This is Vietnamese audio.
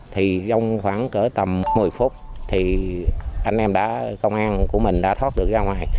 thì trong khoảng cỡ tầm một mươi phút thì anh em đã công an của mình đã thoát được ra ngoài